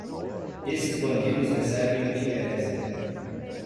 Esses bandidos recebem o que merecem.